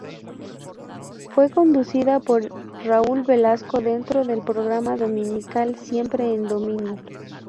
Fue conducida por Raúl Velasco dentro del programa dominical Siempre en Domingo.